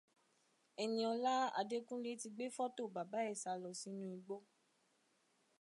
Ẹniọlá Adékúnlé ti gbé fọ́tò bàbá ẹ̀ sálọ sínú igbó